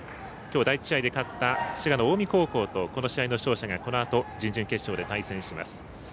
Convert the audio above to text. きょう、第１試合で勝った滋賀の近江高校とこの試合の勝者が、このあと準々決勝で対戦します。